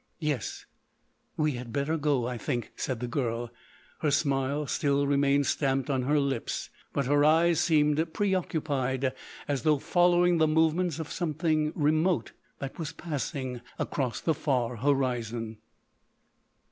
"Yes, we had better go, I think," said the girl. Her smile still remained stamped on her lips, but her eyes seemed preoccupied as though following the movements of something remote that was passing across the far horizon.